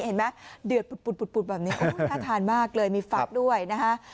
เห็นไหมเดือดปุดแบบนี้น่าทานมากเลยมีฟักด้วยนะฮะ